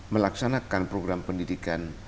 melaksanakan program pendidikan